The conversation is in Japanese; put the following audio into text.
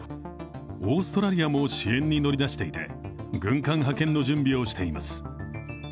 オーストラリアも支援に乗り出していて軍艦派遣の準備をしています。